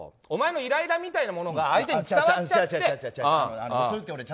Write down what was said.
お前のイライラみたいなものが相手に伝わっちゃって。